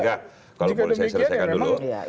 jika demi itu ya memang